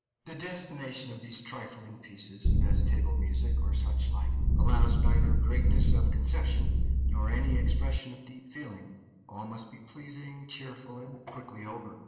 The destination of these trifling pieces, as table music or such like, allows neither greatness of conception nor any {THE QUARTET JOS. HAYDN.} (309) expression of deep feeling; all must be pleasing, cheerful, and quickly over.